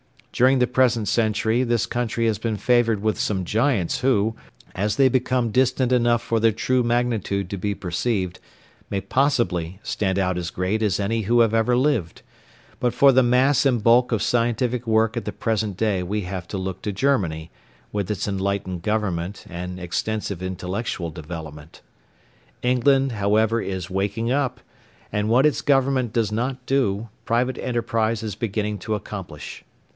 During the present century this country has been favoured with some giants who, as they become distant enough for their true magnitude to be perceived, may possibly stand out as great as any who have ever lived; but for the mass and bulk of scientific work at the present day we have to look to Germany, with its enlightened Government and extensive intellectual development. England, however, is waking up, and what its Government does not do, private enterprise is beginning to accomplish.